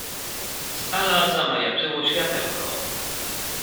Z dala zamajaczyło światełko.